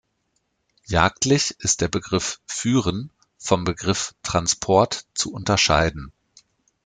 Jagdlich ist der Begriff „Führen“ vom Begriff „Transport“ zu unterscheiden.